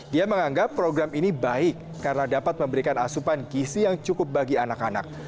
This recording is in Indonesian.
dia menganggap program ini baik karena dapat memberikan asupan gisi yang cukup bagi anak anak